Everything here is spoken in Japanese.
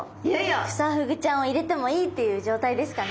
クサフグちゃんを入れてもいいっていう状態ですかね。